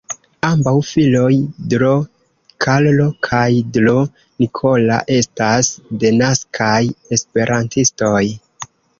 Ambaŭ filoj, d-ro Carlo kaj d-ro Nicola estas denaskaj esperantistoj.